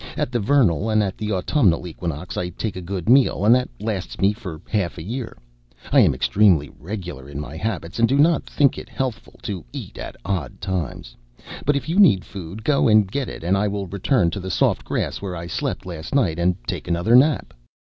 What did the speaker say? At the vernal and at the autumnal equinox I take a good meal, and that lasts me for half a year. I am extremely regular in my habits, and do not think it healthful to eat at odd times. But if you need food, go and get it, and I will return to the soft grass where I slept last night and take another nap."